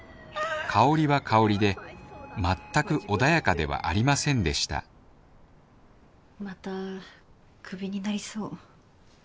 香は香で全く穏やかではありませんでしたまたクビになりそう。